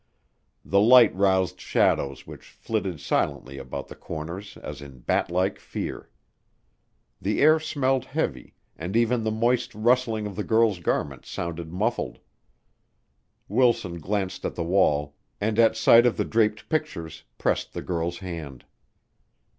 The light roused shadows which flitted silently about the corners as in batlike fear. The air smelled heavy, and even the moist rustling of the girl's garments sounded muffled. Wilson glanced at the wall, and at sight of the draped pictures pressed the girl's hand.